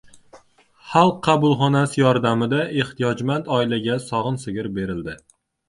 Xalq qabulxonasi yordamida ehtiyojmand oilaga sog‘in sigir berildi